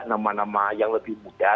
nama nama yang lebih muda